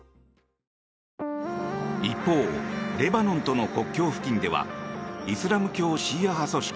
一方、レバノンとの国境付近ではイスラム教シーア派組織